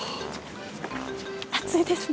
暑いですね。